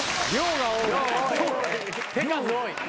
手数多い。